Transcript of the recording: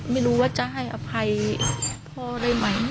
ไม่รู้ว่าจะให้อภัยพ่อได้ไหม